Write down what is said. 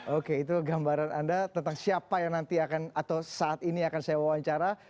oke itu gambaran anda tentang siapa yang nanti akan atau saat ini akan saya wawancara